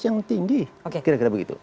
yang tinggi kira kira begitu